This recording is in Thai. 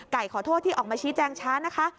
ขอโทษที่ออกมาชี้แจงช้านะคะ